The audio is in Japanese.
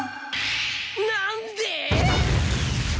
なんで！？